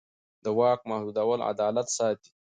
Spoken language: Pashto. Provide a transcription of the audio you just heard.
د واک محدودول عدالت ساتي